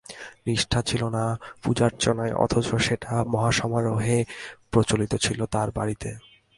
নিষ্ঠা ছিল না পূজার্চনায়, অথচ সেটা সমারোহে প্রচলিত ছিল তাঁর বাড়িতে।